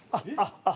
ハハハハ。